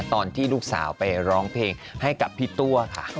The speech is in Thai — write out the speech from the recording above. ตอนที่ลูกสาวไปร้องเพลงให้กับพี่ตัวค่ะ